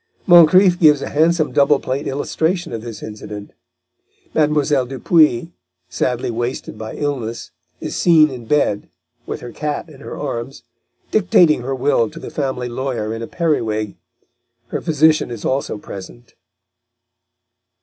Moncrif gives a handsome double plate illustration of this incident. Mlle. Dupuy, sadly wasted by illness, is seen in bed, with her cat in her arms, dictating her will to the family lawyer in a periwig; her physician is also present.